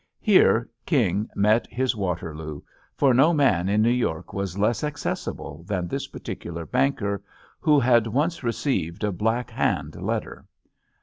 Here King met his Waterloo ; for no man in New York was less accessible than this particular banker, who jjjf JUST SWEETHEARTS had once received a "black hand" letter.